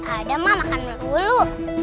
ada mah makan dulu